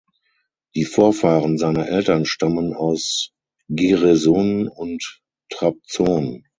Die Vorfahren seiner Eltern stammen aus Giresun und Trabzon.